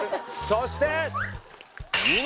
そして「命」